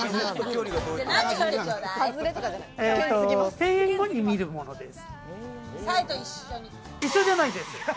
閉園後に見るものです。